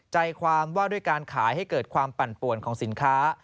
ใจความว่าด้วยการขายให้เกิดความปั่นป่วนของสินค้า